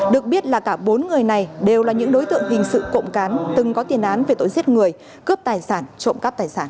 được biết là cả bốn người này đều là những đối tượng hình sự cộng cán từng có tiền án về tội giết người cướp tài sản trộm cắp tài sản